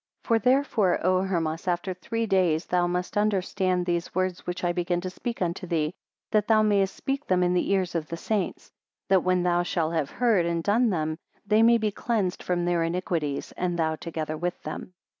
95 For therefore, O Hermas, after three days thou must understand these words which I begin to speak unto thee, that thou mayest speak them in the ears of the saints; that when thou shall have heard and done them, they may be cleansed from their iniquities, and thou together with them.